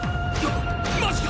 マジか！